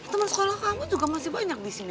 temen sekolah kamu juga masih banyak di sini